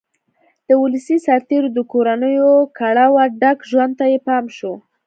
د ولسي سرتېرو د کورنیو کړاوه ډک ژوند ته یې پام شو